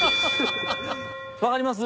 分かります？